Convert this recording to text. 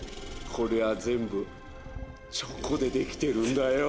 これは全部チョコで出来てるんだよ！